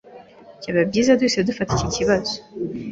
Byaba byiza duhise dufata iki kibazo.